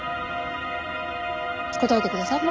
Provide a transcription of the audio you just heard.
答えてください。